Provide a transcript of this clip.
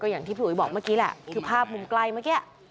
อย่างที่พี่อุ๋ยบอกเมื่อกี้แหละคือภาพมุมใกล้เมื่อกี้